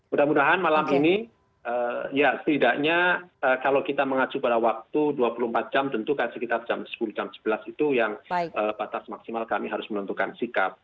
mudah mudahan malam ini ya setidaknya kalau kita mengacu pada waktu dua puluh empat jam tentu kan sekitar jam sepuluh jam sebelas itu yang batas maksimal kami harus menentukan sikap